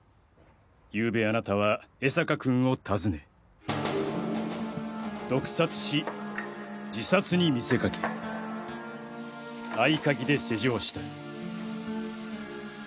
ゆうべあなたは江坂君を訪ね毒殺し自殺に見せかけ合鍵で施錠した。